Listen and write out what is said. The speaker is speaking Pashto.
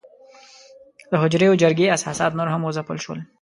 د حجرې او جرګې اساسات نور هم وځپل شول.